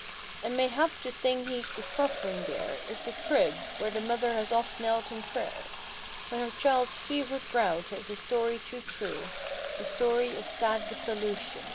And mayhap the thing he is proffering there Is the crib, where the mother has oft knelt in prayer When her child's fevered brow told a story too true— The story of sad dissolution.